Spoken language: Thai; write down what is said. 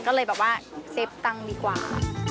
ก็เลยแบบว่าเซฟตังค์ดีกว่าค่ะ